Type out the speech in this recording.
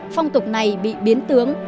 phong tục này bị biến tướng